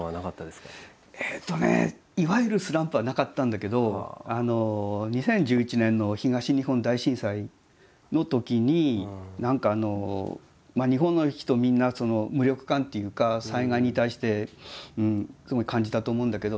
えっとねいわゆるスランプはなかったんだけど２０１１年の東日本大震災のときに何か日本の人みんな無力感っていうか災害に対してすごい感じたと思うんだけど。